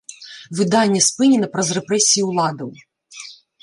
Выданне спынена праз рэпрэсіі ўладаў.